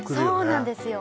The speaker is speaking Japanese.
そうなんですよ